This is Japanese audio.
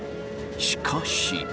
しかし！